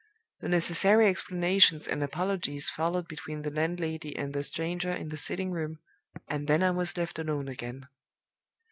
The necessary explanations and apologies followed between the landlady and the stranger in the sitting room, and then I was left alone again.